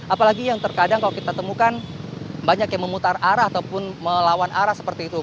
apalagi yang terkadang kalau kita temukan banyak yang memutar arah ataupun melawan arah seperti itu